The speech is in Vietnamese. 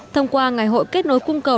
thông qua ngày hội kết nối cung cầu